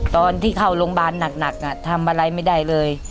ตอนที่เข้าโรงพยาบาลหนักทำอะไรไม่ได้เลย